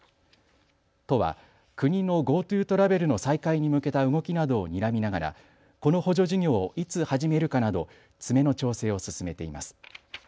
都は国のＧｏＴｏトラベルの再開に向けた動きなどをにらみながらこの補助事業をいつ始めるかなど詰めの調整を進めています。